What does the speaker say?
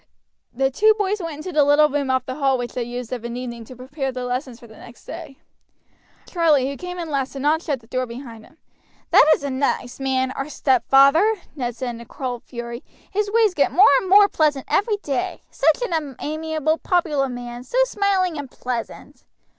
The two boys went into the little room off the hall which they used of an evening to prepare their lessons for next day. Charlie, who came in last, did not abut the door behind him. "That is a nice man, our stepfather," Ned said in a cold fury. "His ways get more and more pleasant every day; such an amiable, popular man, so smiling and pleasant!"